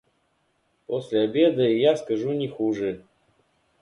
После обеда и я скажу не хуже.